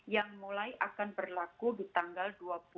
yang mulai akan berlaku di tanggal